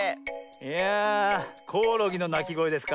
いやあコオロギのなきごえですか。